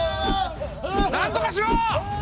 なんとかしろ！